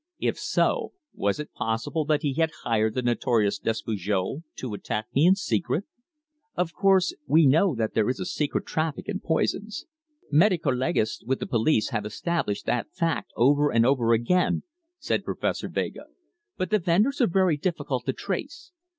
If so, was it possible that he had hired the notorious Despujol to attack me in secret! "Of course we know that there is a secret traffic in poisons. Medico legists, with the police, have established that fact over and over again," said Professor Vega. "But the vendors are very difficult to trace.